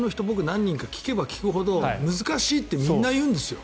何人かに聞けば聞くほど難しいってみんな言うんですよ。